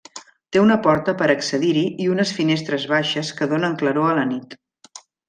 Té una porta per accedir-hi i unes finestres baixes que donen claror a la nit.